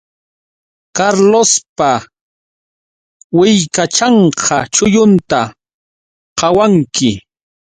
Carlospa willkachanpa chullunta qawanki